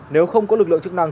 nếu không có lực lượng chức năng